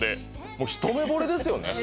もう一目ぼれですよね